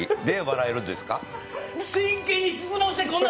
真剣に質問してくんな！